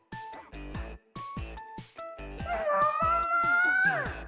ももも！